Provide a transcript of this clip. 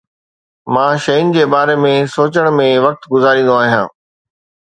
مان شين جي باري ۾ سوچڻ ۾ وقت گذاريندو آهيان